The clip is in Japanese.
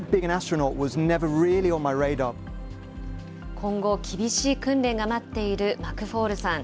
今後、厳しい訓練が待っているマクフォールさん。